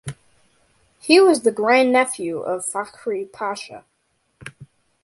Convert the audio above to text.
He was the grandnephew of Fakhri Pasha.